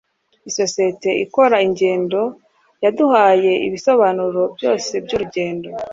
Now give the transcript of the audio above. isosiyete ikora ingendo yaduhaye ibisobanuro byose byurugendo